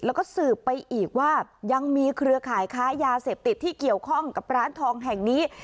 แล้วก็สืบไปอีกว่ายังมีเครือข่ายค้ายาเสพติดที่เกี่ยวข้องกับร้านทองแห่งนี้